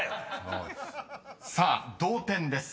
［さあ同点です。